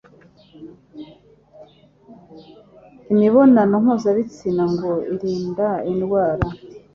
Imibonano mpuzabitsina ngo irinda indwara